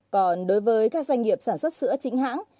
còn đối với các doanh nghiệp sản xuất sữa chính hãng